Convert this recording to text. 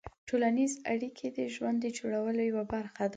ټولنیز اړیکې د ژوند د جوړولو یوه برخه ده.